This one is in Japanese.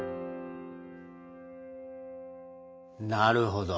なるほど。